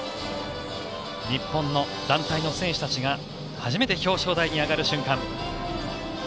日本の団体の選手たちが初めて表彰台に上がる瞬間。